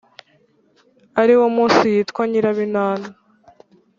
ari wo munsi yitwa nyirabinana